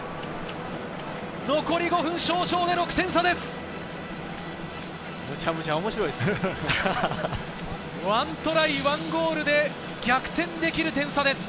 残り５分少々で６点差です。